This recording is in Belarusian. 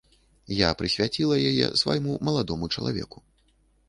Я прысвяціла яе свайму маладому чалавеку.